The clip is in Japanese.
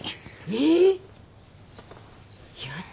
えっ？